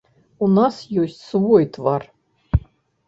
У нас ёсць свой твар.